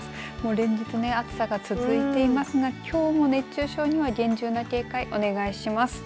連日暑さが続いていますがきょうも熱中症には厳重な警戒をお願いします。